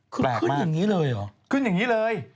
ขึ้นอย่างนี้เลยเหรอขึ้นอย่างนี้เลย